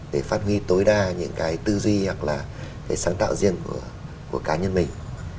để phát huy tối đa những cái tư duy hoặc là cái sáng tạo riêng của cá nhân mình